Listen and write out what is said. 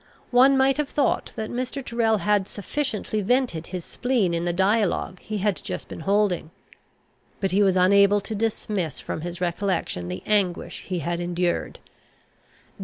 One might have thought that Mr. Tyrrel had sufficiently vented his spleen in the dialogue he had just been holding. But he was unable to dismiss from his recollection the anguish he had endured.